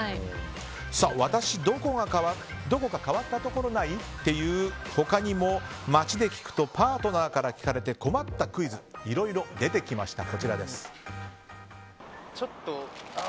私どこか変わったところない？という他にも、街で聞くとパートナーから聞かれて困ったクイズいろいろ出てきました。